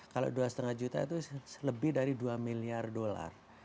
kalau dua lima juta itu lebih dari dua miliar dolar